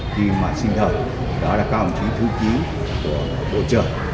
khi mà xin thờ đó là các đồng chí thư ký của bộ trưởng